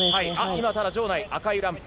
今、ただ場内、赤いランプ。